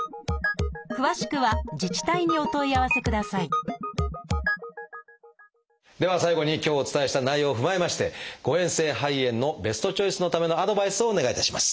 詳しくは自治体にお問い合わせくださいでは最後に今日お伝えした内容を踏まえまして誤えん性肺炎のベストチョイスのためのアドバイスをお願いいたします。